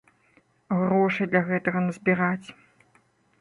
Грошай для гэтага назбіраць.